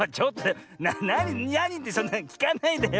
なにってそんなきかないでよ。